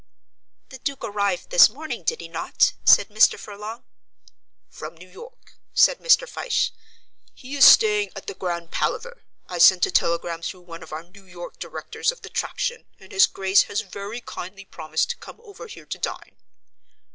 "The Duke arrived this morning, did he not?" said Mr. Furlong. "From New York," said Mr. Fyshe. "He is staying at the Grand Palaver. I sent a telegram through one of our New York directors of the Traction, and his Grace has very kindly promised to come over here to dine."